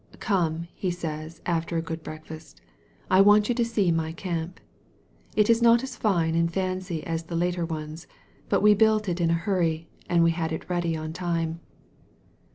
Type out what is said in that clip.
"Come," he says, after a good breakfast, "I want you to see my camp. It is not as fine and fancy as the later ones. But we built it in a hurry and we had it ready on time."